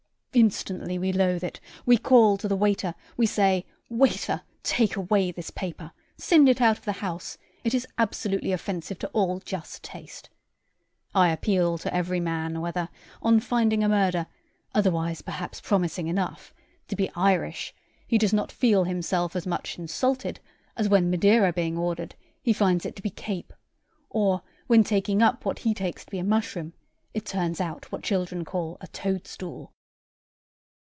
Instantly we loath it; we call to the waiter; we say, Waiter, take away this paper; send it out of the house; it is absolutely offensive to all just taste.' I appeal to every man whether, on finding a murder (otherwise perhaps promising enough) to be Irish, he does not feel himself as much insulted as when Madeira being ordered, he finds it to be Cape; or when, taking up what he takes to be a mushroom, it turns out what children call a toad stool.